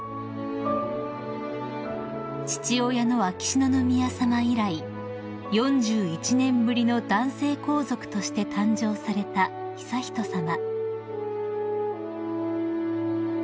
［父親の秋篠宮さま以来４１年ぶりの男性皇族として誕生された悠仁さま］